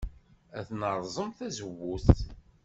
Ad nerẓem tazewwut.